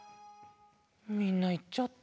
みんないっちゃった。